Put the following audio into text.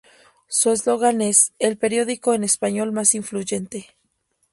Su eslogan es: "el periódico en español más influyente".